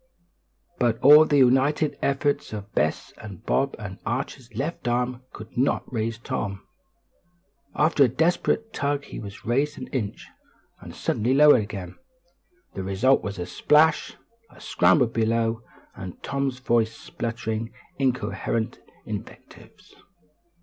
But all the united efforts of Bess and Bob and Archie's left arm could not raise Tom. After a desperate tug he was raised an inch, and suddenly lowered again. The result was a splash, a scramble below, and Tom's voice sputtering incoherent invectives.